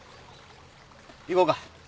行こうか。